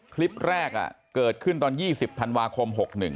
คลิปแรกอ่ะเกิดขึ้น๒๐ทานวาคม๖๑